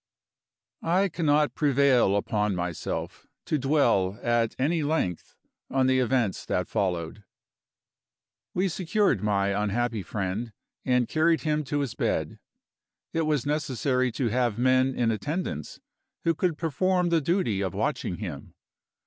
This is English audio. I cannot prevail upon myself to dwell at any length on the events that followed. We secured my unhappy friend, and carried him to his bed. It was necessary to have men in attendance who could perform the duty of watching him.